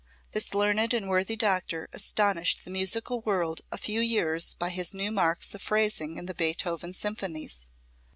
This learned and worthy doctor astonished the musical world a few years by his new marks of phrasing in the Beethoven symphonies.